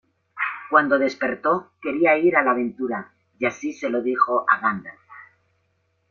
Cuando despertó, quería ir a la aventura, y así se lo dijo a Gandalf.